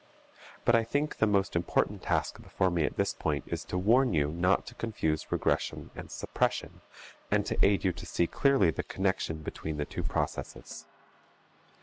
But I think the most important task before me at this point is to warn you not to confuse regression and suppression, and aid you to see clearly the connection between the two processes.